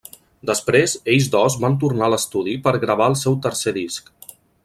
Després, ells dos van tornar a l'estudi per gravar el seu tercer disc.